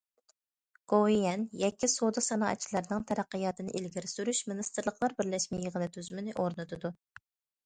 گوۋۇيۈەن يەككە سودا- سانائەتچىلەرنىڭ تەرەققىياتىنى ئىلگىرى سۈرۈش مىنىستىرلىقلار بىرلەشمە يىغىنى تۈزۈمىنى ئورنىتىدۇ.